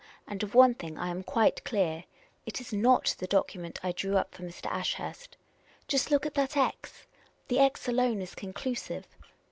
And of one thing I am quite clear : it is not the document I drew up for Mr. Ashurst. Just look at that x. The x alone is conclusive.